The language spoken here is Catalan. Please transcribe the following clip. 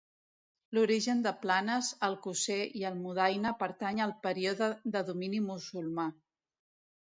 L'origen de Planes, Alcosser i Almudaina pertany al període de domini musulmà.